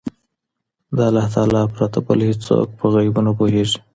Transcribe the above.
د الله تعالی پرته بل هيڅوک په غيبو نه پوهيږي